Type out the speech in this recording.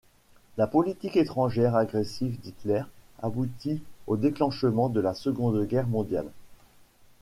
La politique étrangère agressive d’Hitler aboutit au déclenchement de la Seconde Guerre mondiale.